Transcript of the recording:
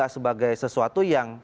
sebagai sesuatu yang